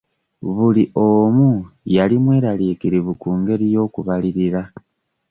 Buli omu yali mweraliikirivu ku ngeri y'okubalirira.